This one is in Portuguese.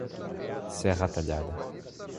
Serra Talhada